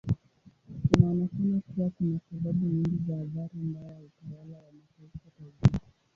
Inaonekana kuwa kuna sababu nyingi za athari mbaya ya utawala wa mataifa tajiri.